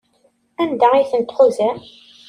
Anda ay ten-tḥuzam?